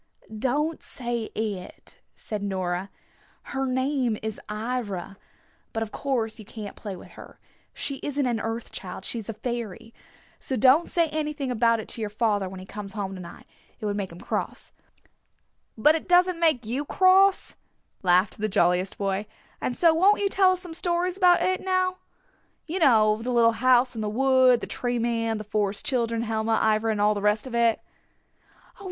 "Don't say 'It,'" said Nora. "Her name is 'Ivra.' But of course you can't play with her. She isn't an Earth Child. She's a fairy. So don't say anything about it to your father when he comes home to night. It would make him cross." "But it doesn't make you cross," laughed the jolliest boy. "And so won't you tell us some stories about it now. You know, the little house in the wood, the Tree Man, the Forest Children, Helma, Ivra and all the rest of it."